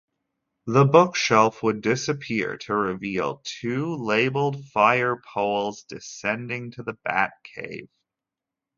The bookshelf would disappear to reveal two labeled firepoles descending to the Batcave.